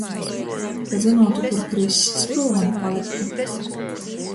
Ka zynuotu, kur krissi, spylvynu palyktu.